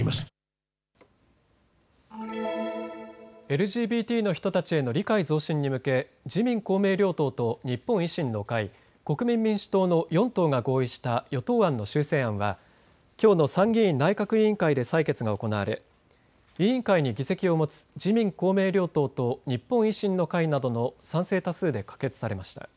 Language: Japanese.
ＬＧＢＴの人たちへの理解増進に向け、自民公明両党と日本維新の会、国民民主党の４党が合意した与党案の修正案はきょうの参議院内閣委員会で採決が行われ委員会に議席を持つ自民公明両党と日本維新の会などの賛成多数で可決されました。